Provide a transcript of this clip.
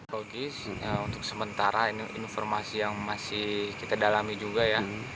logis untuk sementara ini informasi yang masih kita dalami juga ya